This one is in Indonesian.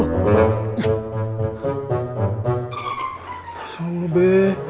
masak dulu be